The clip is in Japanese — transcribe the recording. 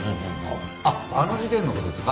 あっあの事件の事ですか？